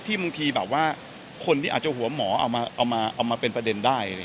ที่บางทีแบบว่าคนที่อาจจะหัวหมอเอามาเอามาเอามาเป็นประเด็นได้อะไรอย่างนี้